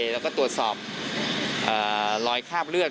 แล้วก็ตรวจสอบรอยคราบเลือด